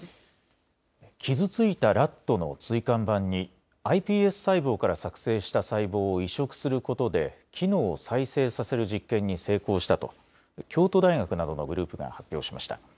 傷ついたラットの椎間板にｉＰＳ細胞から作製した細胞を移植することで機能を再生させる実験に成功したと京都大学などのグループが発表しました。